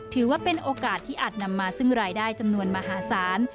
ถือว่าเป็นโอกาสที่อาจนำมาซึ่งรายได้จำนวนมหาศาล